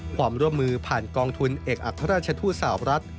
ความร่วมมือผ่านกองทุนเอกอัครราชทูตสาวรัฐ